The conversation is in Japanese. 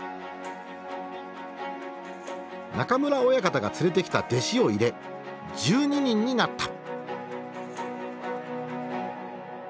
中村親方が連れてきた弟子を入れ１２人になった。